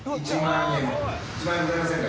１万円ございませんか？